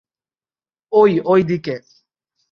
ওই ঐদিকে।